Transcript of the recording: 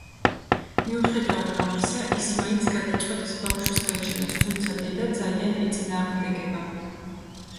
მიუხედავად ამისა, ის მაინც გადაწყვეტს ბავშვის გაჩენას, თუმცა დედა ძალიან ეწინააღმდეგება.